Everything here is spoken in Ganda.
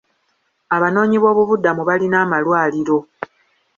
Abanoonyi b'obubuddamu balina amalwaliro